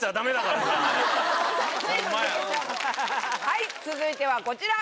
はい続いてはこちら。